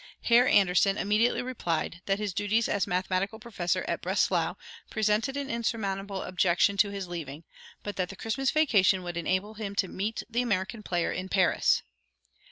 Herr Anderssen immediately replied, that his duties as mathematical professor at Breslau presented an insurmountable objection to his leaving, but that the Christmas vacation would enable him to meet the American player in Paris.